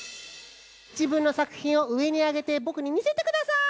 じぶんのさくひんをうえにあげてぼくにみせてください！